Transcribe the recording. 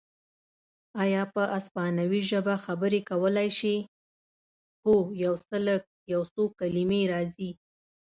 ایا په اسپانوي ژبه خبرې کولای شې؟ هو، یو څه لږ، یو څو کلمې راځي.